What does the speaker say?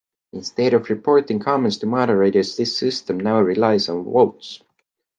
Instead of reporting comments to moderators, this system now relies on votes.